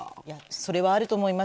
それはあると思います。